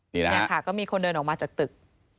นี่ค่ะก็มีคนเดินออกมาจากตึก